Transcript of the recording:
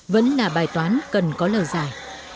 vẫn là bài toán cần có lâu dài